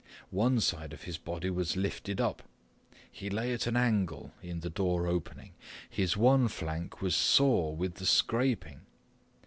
One side of his body was lifted up. He lay at an angle in the door opening. His one flank was sore with the scraping.